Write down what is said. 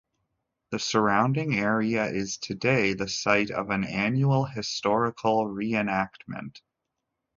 The surrounding area is today the site of an annual historical reenactment.